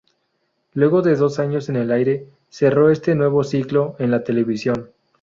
Luego de dos años en el aire, cerró este nuevo ciclo en la televisión.